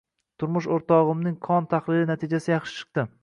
Turmush o`rtog`imning qon tahlili natijasi yaxshi chiqdi